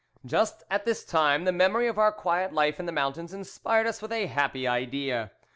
"Just at this time the memory of our quiet life in the mountains inspired us with a happy idea.